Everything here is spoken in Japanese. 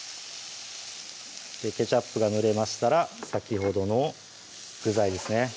ケチャップが塗れましたら先ほどの具材ですね